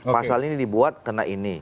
pasalnya ini dibuat karena ini